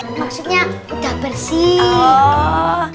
maksudnya udah bersih